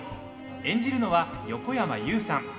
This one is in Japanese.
演じるのは横山裕さん。